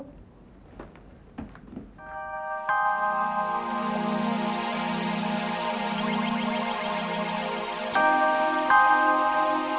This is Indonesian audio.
beberapa abang dah tanya